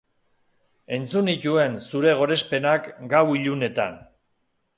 Entzun nituen zure gorespenak gau ilunetan.